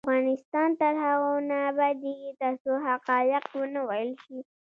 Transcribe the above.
افغانستان تر هغو نه ابادیږي، ترڅو حقایق ونه ویل شي.